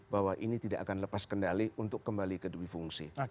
bahwa ini tidak akan lepas kendali untuk kembali ke dewi fungsi